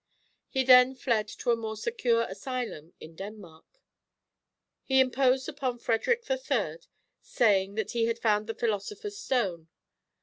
He then fled to a more secure asylum in Denmark. He imposed upon Frederick III., saying that he had found the philosopher's stone.